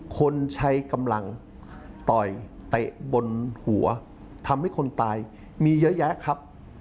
คนใช้กำลังต่อยเตะบนหัวทำให้คนตายมีเยอะแยะครับ